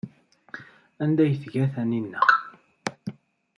Anda ay t-teǧǧa Taninna?